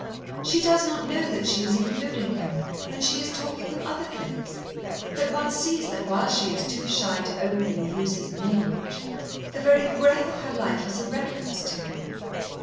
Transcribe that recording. She does not know that she is including him when she is talking of other things, that one sees that while she is too shy to openly use his name much, the very breath of her life is a reference to him.